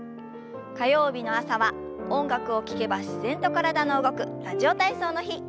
火曜日の朝は音楽を聞けば自然と体の動く「ラジオ体操」の日。